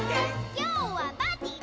「きょうはパーティーだ！」